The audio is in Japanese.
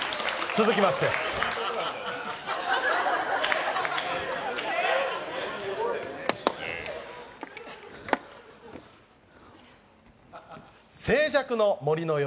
続きまして静寂の森の夜。